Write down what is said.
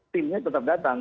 timnya tetap datang